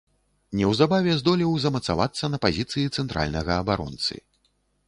Неўзабаве здолеў замацавацца на пазіцыі цэнтральнага абаронцы.